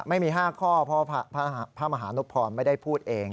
ไม่มี๕ข้อเพราะพระมหานพรไม่ได้พูดเอง